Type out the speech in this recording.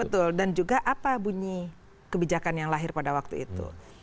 betul dan juga apa bunyi kebijakan yang lahir pada waktu itu